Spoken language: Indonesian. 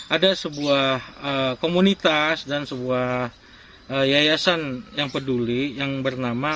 ada sebuah komunitas dan sebuah yayasan yang peduli yang bernama